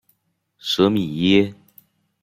舍米耶。